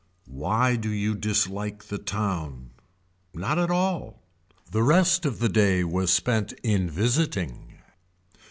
Why do you dislike the town. Not at all. The rest of the day was spent in visiting.